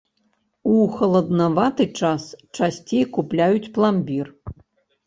У халаднаваты час часцей купляюць пламбір.